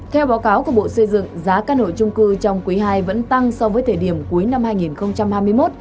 theo báo cáo của bộ xây dựng giá căn hộ trung cư trong quý ii vẫn tăng so với thời điểm cuối năm hai nghìn hai mươi một